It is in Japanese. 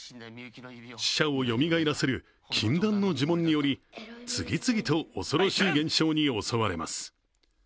死者をよみがえらせる禁断の呪文により次々と恐ろしい現象に襲われます。